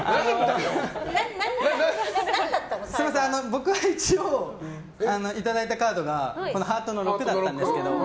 僕は一応、いただいたカードがハートの６だったんですけど。